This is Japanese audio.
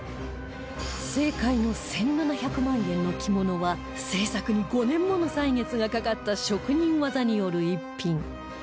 正解の１７００万円の着物は制作に５年もの歳月がかかった職人技による逸品